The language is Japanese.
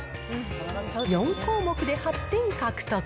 ４項目で８点獲得。